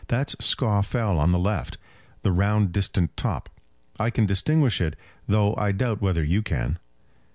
That's Scaw Fell on the left; the round distant top. I can distinguish it, though I doubt whether you can."